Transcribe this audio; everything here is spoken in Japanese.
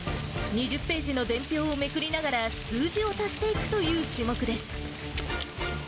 ２０ページの伝票をめくりながら、数字を足していくという種目です。